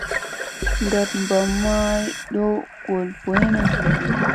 Ndak mba maŋ ɗow ŋgol boy na.